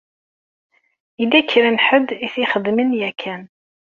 Yella kra n ḥedd i t-ixedmen yakan.